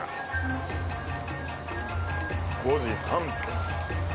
５時３分。